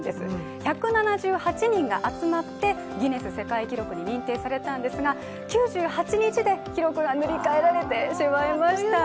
１７８人が集まって、ギネス世界記録に認定されたんですが、９８日で記録が塗り替えられてしまいました。